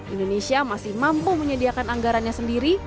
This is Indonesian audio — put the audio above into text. indonesia masih mampu menyediakan anggarannya sendiri